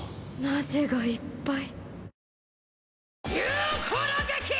なぜがいっぱい。